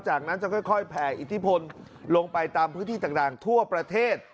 จากนั้นจะค่อยแผ่อิทธิพลลงไปตามพื้นที่ต่างทั่วประเทศ